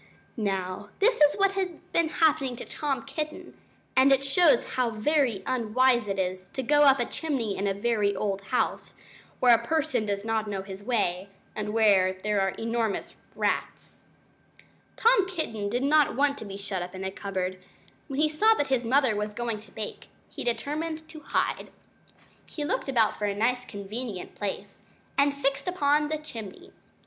Now, this is what had been happening to Tom Kitten, and it shows how very unwise it is to go up a chimney in a very old house, where a person does not know his way, and where there are enormous rats. Tom Kitten did not want to be shut up in a cupboard. When he saw that his mother was going to bake, he determined to hide. He looked about for a nice convenient place, and he fixed upon the chimney.